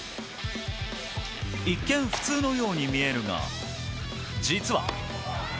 一見、普通のように見えるが実は。